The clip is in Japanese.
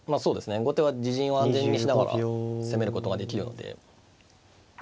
後手は自陣を安全にしながら攻めることができるので。